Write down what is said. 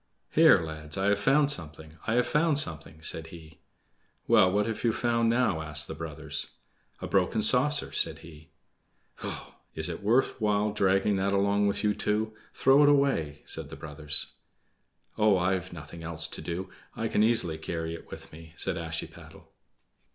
"Here lads, I have found something! I have found something!" said he. "Well, what have you found now?" asked the brothers. "A broken saucer," said he. "Pshaw! Is it worth while dragging that along with you too? Throw it away!" said the brothers. "Oh, I've nothing else to do. I can easily carry it with me," said Ashiepattle.